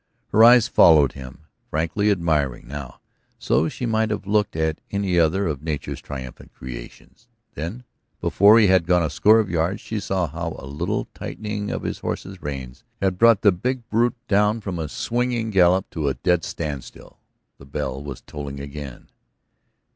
Her eyes followed him, frankly admiring now; so she might have looked at any other of nature's triumphant creations. Then, before he had gone a score of yards, she saw how a little tightening of his horse's reins had brought the big brute down from a swinging gallop to a dead standstill. The bell was tolling again.